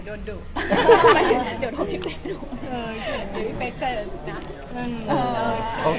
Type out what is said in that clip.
โอ้ยาเลยเดี๋ยวโดนดู